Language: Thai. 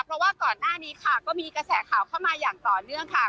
เพราะว่าก่อนหน้านี้ค่ะก็มีกระแสข่าวเข้ามาอย่างต่อเนื่องค่ะ